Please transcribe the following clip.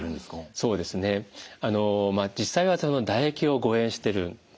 そうですねまあ実際は唾液を誤えんしてるんです。